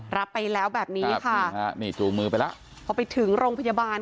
รับไปแล้วแบบนี้ค่ะพอไปถึงโรงพยาบาล